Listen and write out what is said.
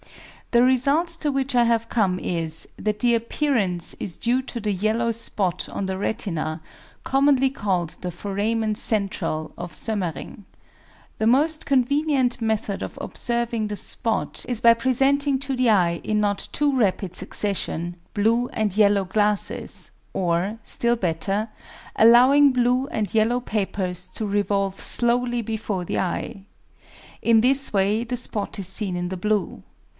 The result to which I have come is, that the appearance is due to the yellow spot on the retina, commonly called the Foramen Centrale of Soemmering. The most convenient method of observing the spot is by presenting to the eye in not too rapid succession, blue and yellow glasses, or, still better, allowing blue and yellow papers to revolve slowly before the eye. In this way the spot is seen in the blue.